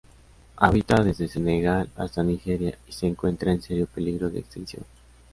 Habita desde Senegal hasta Nigeria y se encuentra en serio peligro de extinción.